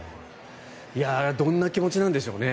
どんな気持ちなんでしょうね。